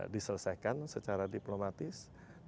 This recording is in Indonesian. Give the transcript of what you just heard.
diselesaikan secara diplomatis